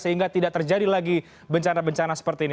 sehingga tidak terjadi lagi bencana bencana seperti ini